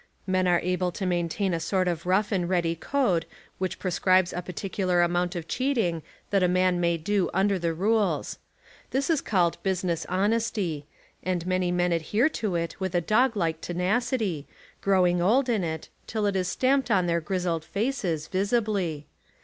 Men are able to main tain a sort of rough and ready code which pre scribes the particular amount of cheating that a man may do under the rules. This is called business honesty, and many men adhere to it with a dog like tenacity, growing old in it, till it is stamped on their grizzled faces, visibly.